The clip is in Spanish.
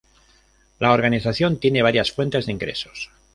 La organización tiene varias fuentes de ingresos.